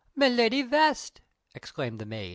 "Miladi West!" exclaimed the maid.